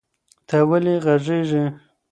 ته ویلې غږیږي؟